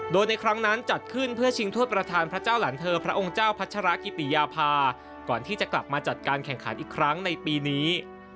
โดยในครั้งนั้นจัดขึ้นเพื่อชิงถ้วยประธานพระเจ้าหลานเธอพระองค์เจ้าพัชรกิติยาภาก่อนที่จะกลับมาจัดการแข่งขันอีกครั้งในปีนี้